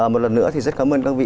một lần nữa thì rất cảm ơn các vị